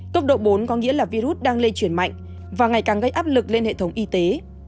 tốc độ bốn có nghĩa là virus đang lây chuyển mạnh và ngày càng gây áp lực lên hệ thống y tế